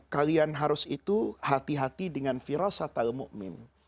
kalian harus itu hati hati dengan firasat al mu'min